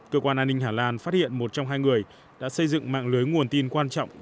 cơ quan an ninh hà lan phát hiện một trong hai người đã xây dựng mạng lưới nguồn tin quan trọng